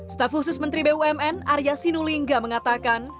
staf khusus menteri bumn arya sinulinga mengatakan